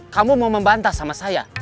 kamu mau membantah sama saya